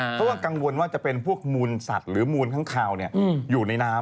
เพราะว่ากังวลว่าจะเป็นพวกมูลสัตว์หรือมูลข้างคาวอยู่ในน้ำ